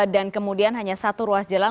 dan kemudian hanya satu ruas jalan